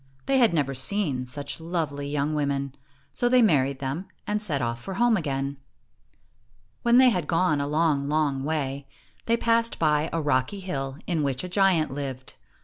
They had never seen such lovely young women, so they married them, and set off for home again. i io When they had gone a long, long way, they passed by a rocky hill in which a giant lived.